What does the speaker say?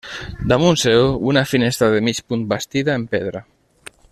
Damunt seu, una finestra de mig punt bastida en pedra.